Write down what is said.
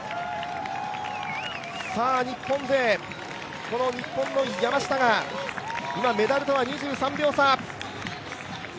日本勢、この日本の山下が今、メダルとは２３秒差。